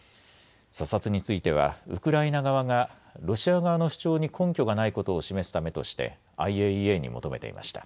査察についてはウクライナ側がロシア側の主張に根拠がないことを示すためとしてＩＡＥＡに求めていました。